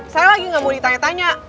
saya lagi nggak mau ditanya tanya